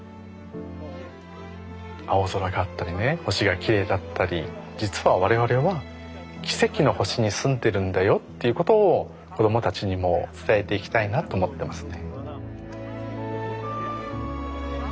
青空があったりね星がきれいだったり実は我々は奇跡の星に住んでるんだよっていうことを子供たちにも伝えていきたいなと思ってますね。